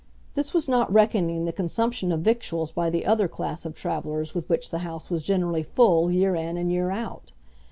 This was not reckoning the consumption of victuals by the other class of travellers with which the house was generally full year in and year out.